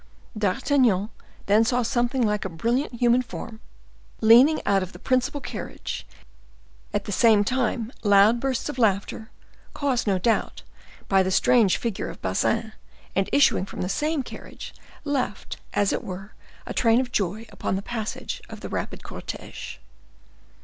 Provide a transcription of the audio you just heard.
D'Artagnan then saw something like a brilliant human form leaning out of the principal carriage; at the same time loud bursts of laughter, caused, no doubt, by the strange figure of Bazin, and issuing from the same carriage, left, as it were, a train of joy upon the passage of the rapid cortege.